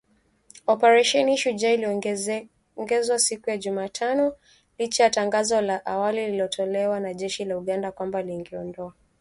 Operesheni Shujaa iliongezwa siku ya Jumatano licha ya tangazo la awali lililotolewa na jeshi la Uganda kwamba lingeondoa wanajeshi .